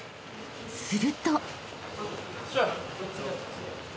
［すると］